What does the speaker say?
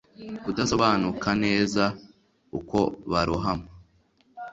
kudasobanuka neza uko barohama